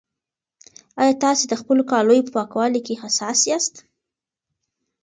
ایا تاسي د خپلو کالیو په پاکوالي کې حساس یاست؟